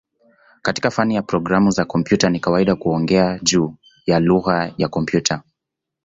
Katika fani ya programu za kompyuta ni kawaida kuongea juu ya "lugha ya kompyuta".